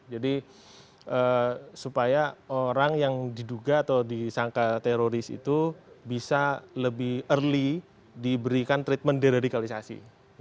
jadi supaya orang yang diduga atau disangka teroris itu bisa lebih early diberikan treatment deradikalisasi